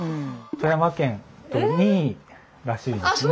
富山県２位らしいんですね。